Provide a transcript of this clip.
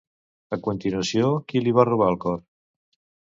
A continuació, qui li va robar el cor?